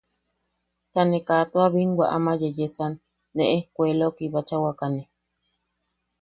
Ta ne kaa tua binwa aman yeyesan nee ejkuelau kibachawakane.